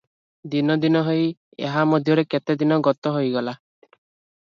ଦିନ ଦିନ ହୋଇ ଏହାମଧ୍ୟରେ କେତେଦିନ ଗତ ହୋଇଗଲା ।